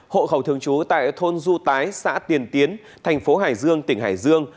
hộ khẩu thường trú tại thôn du tái xã tiền tiến thành phố hải dương tỉnh hải dương